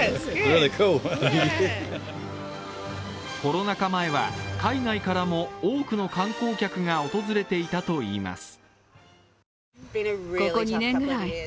コロナ禍前は海外からも多くの観光客が訪れていたといいます。